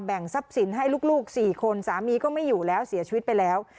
ทรัพย์สินให้ลูก๔คนสามีก็ไม่อยู่แล้วเสียชีวิตไปแล้ว